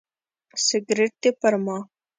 سګرټ دې پر ما.